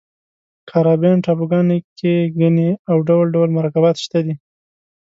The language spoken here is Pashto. کارابین ټاپوګانو کې ګني او ډول ډول مرکبات شته دي.